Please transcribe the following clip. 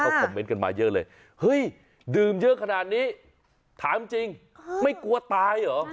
คอมเมนต์กันมาเยอะเลยเฮ้ยดื่มเยอะขนาดนี้ถามจริงไม่กลัวตายเหรอ